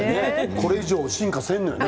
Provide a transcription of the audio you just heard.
これ以上進化せんのよね。